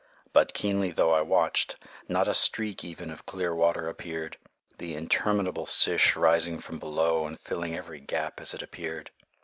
But, keenly though I watched, not a streak even of clear water appeared, the interminable sish rising from below and filling every gap as it appeared.